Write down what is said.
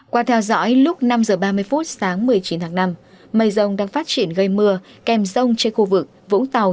qua theo dõi lúc năm h ba mươi phút sáng một mươi chín tháng năm mây rông đang phát triển gây mưa kèm rông trên khu vực vũng tàu